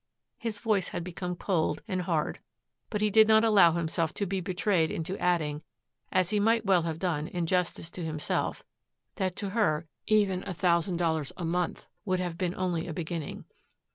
His voice had become cold and hard, but he did not allow himself to be betrayed into adding, as he might well have done in justice to himself, that to her even a thousand dollars a month would have been only a beginning.